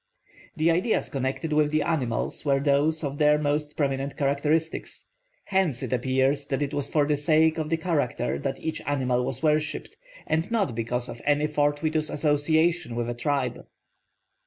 The ideas connected with the animals were those of their most prominent characteristics; hence it appears that it was for the sake of the character that each animal was worshipped, and not because of any fortuitous association with a tribe.